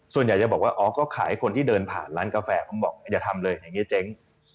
ส่วนใหญ่จะบอกว่าอ๋อก็ขายคนที่เดินผ่านร้านกาแฟผมบอกอย่าทำเลยอย่างนี้เจ๊ง